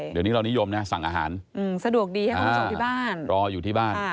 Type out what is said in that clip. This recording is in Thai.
เดี๋ยวนี้เรานิยมนะสั่งอาหารรออยู่ที่บ้าน